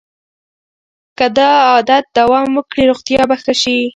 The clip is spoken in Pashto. که دا عادت دوام وکړي روغتیا به ښه شي.